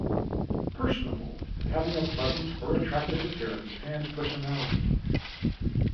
Personable - having a pleasant or attractive appearance and personality.